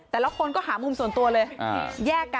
แต่ละคนก็หามุมส่วนตัวเลย